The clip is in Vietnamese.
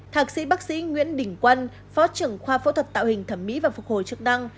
thạc sĩ bác sĩ nguyễn đình quân phó trưởng khoa phẫu thuật tạo hình thẩm mỹ và phục hồi chức năng